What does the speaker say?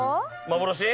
幻？